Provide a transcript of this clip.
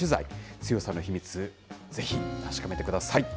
強さの秘密、ぜひ確かめてください。